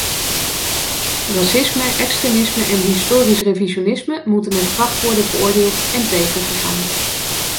Racisme, extremisme en historisch revisionisme moeten met kracht worden veroordeeld en tegengegaan.